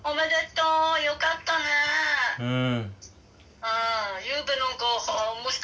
うん。